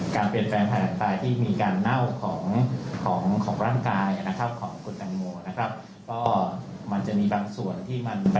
การเปลี่ยนแปลงภายหลังตายที่มีการเน่าของร่างกายนะครับของกุฎดังโมนะครับ